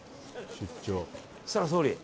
設楽総理！